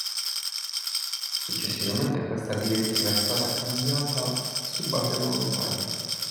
Successivamente, questa direttiva è stata cambiata su base volontaria.